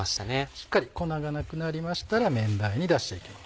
しっかり粉がなくなりましたら麺台に出して行きます。